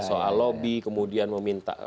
soal lobby kemudian meminta